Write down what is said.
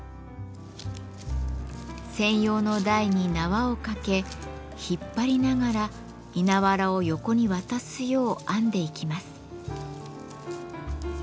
専用の台に縄をかけ引っ張りながら稲わらを横に渡すよう編んでいきます。